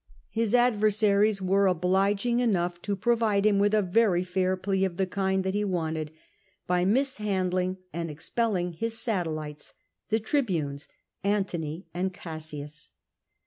His adversaries were obliging enotigh to pro vide him with a very fair plea of the kind that he wanted, by misliandling and expelling In's satellites, the tribunes Antony and Cassius.